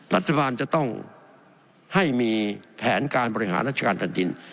รัฐบาลจะต้องให้มีแผนการบริหารราชการแผ่นดิน